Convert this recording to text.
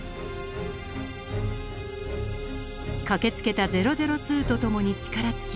駆けつけた００２と共に力尽き